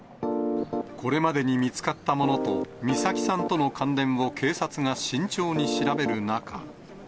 これまでに見つかったものと美咲さんとの関連を警察が慎重に調べ